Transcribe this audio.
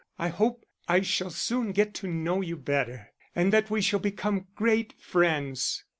I hope I shall soon get to know you better, and that we shall become great friends."